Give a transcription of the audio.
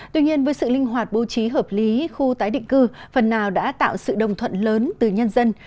tuy nhiên với sự linh hoạt bố trí hợp lý khu tái định cư phần nào đã tạo sự đồng thuận lớn từ nhân dân